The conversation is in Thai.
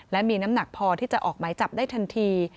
และมีน้ำหนักพอที่จะออกหมายจับได้ทันที